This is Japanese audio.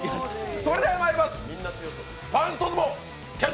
それではまいります。